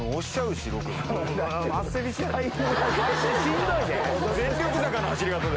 しんどいで？